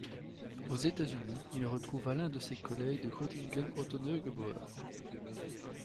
Aux États-Unis, il retrouva l'un de ses collègues de Göttingen, Otto Neugebauer.